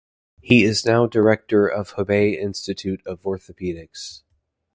He is now director of Hebei Institute of Orthopedics.